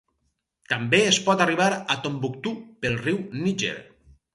També es pot arribar a Tombouctou pel riu Níger.